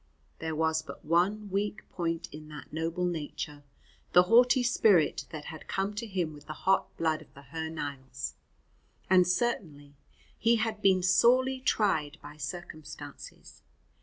There was but one weak point in that noble nature the haughty spirit that had come to him with the hot blood of the Hy Nialls; and certainly he had been sorely tried by circumstances.